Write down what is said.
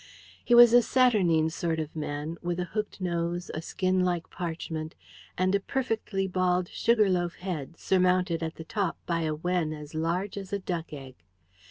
He was a saturnine sort of man, with a hooked nose, a skin like parchment, and a perfectly bald sugar loaf head, surmounted at the top by a wen as large as a duck egg.